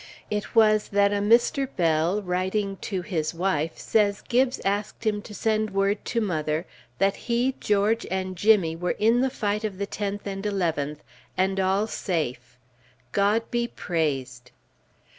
It was that a Mr. Bell, writing to his wife, says Gibbes asked him to send word to mother that he, George, and Jimmy were in the fight of the 10th and 11th, and all safe. God be praised!